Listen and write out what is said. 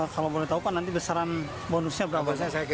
kalau boleh tahu pak nanti besaran bonusnya berapa